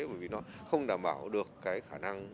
bởi vì nó không đảm bảo được cái khả năng